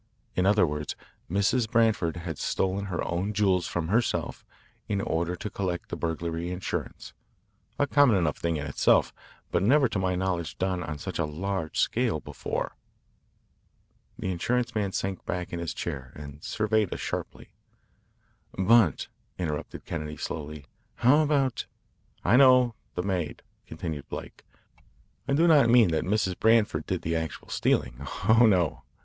In other words, Mrs. Branford has stolen her own jewels from herself in order to collect the burglary insurance a common enough thing in itself, but never to my knowledge done on such a large scale before." The insurance man sank back in his chair and surveyed us sharply. "But," interrupted Kennedy slowly, "how about " "I know the maid," continued Blake. "I do not mean that Mrs. Branford did the actual stealing. Oh, no.